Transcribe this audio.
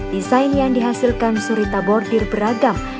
desain yang dihasilkan surita bordir beragam